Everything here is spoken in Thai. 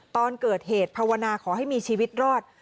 ตอนเกิดเหตุภาวนาขอให้มีชีวิตรอด